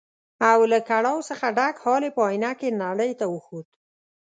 او له کړاو څخه ډک حال یې په ائينه کې نړۍ ته وښود.